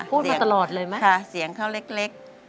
พูดมาตลอดเลยไหมคะพี่บุญช่วยค่ะเสียงเขาเล็ก